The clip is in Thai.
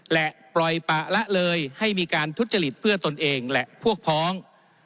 และปล่อยปะละเลยให้มีการทุจริตเพื่อตนเองและพวกพ้อง